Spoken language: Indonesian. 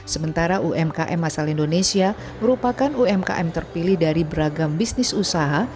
sementara umkm asal indonesia merupakan umkm terpilih dari beragam bisnis usaha